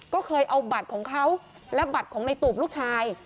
ก็เคยเอาบัตรของเขาและบัตรของในตูบลูกชาย